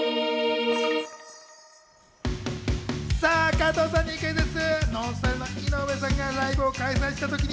加藤さんにクイズッス。